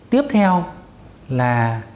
tiếp theo là